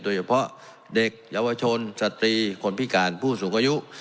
โดยเฉพาะเด็กเยาวชนสตรีคนพิการผู้สูงอายุ